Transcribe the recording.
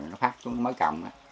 nó phát xuống mới cầm